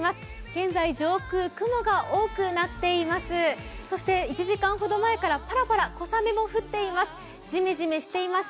現在、上空、雲が多くなっています。